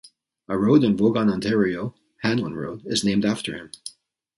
A road in Vaughan, Ontario, Hanlan Road, is named after him.